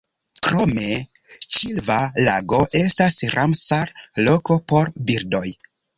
Krome Ĉilva-Lago estas Ramsar-loko por birdoj.